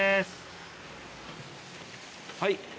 はい。